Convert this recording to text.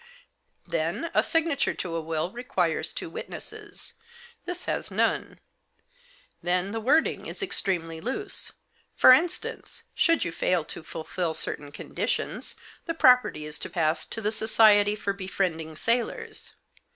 Then a signature to a will requires two witnesses ; this has none. Then the wording is extremely loose. For instance, should you fail to fulfil certain conditions, the property is to pass to the Society for Befriending Sailors.